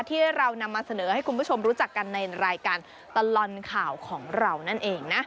ที่เรานำมาเสนอให้คุณผู้ชมรู้จักกันในรายการตลอดข่าวของเรานั่นเองนะ